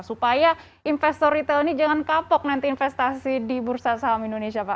supaya investor retail ini jangan kapok nanti investasi di bursa saham indonesia pak